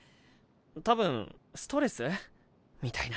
たぶんストレス？みたいな。